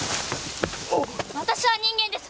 私は人間です！